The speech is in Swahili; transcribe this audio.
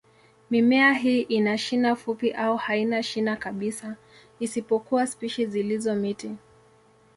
Mimea hii ina shina fupi au haina shina kabisa, isipokuwa spishi zilizo miti.